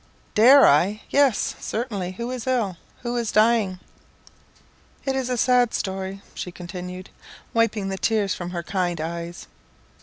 "Dare I? Yes, certainly! Who is ill? Who is dying?" "It's a sad story," she continued, wiping the tears from her kind eyes.